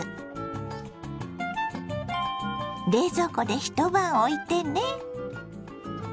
冷蔵庫で一晩おいてね。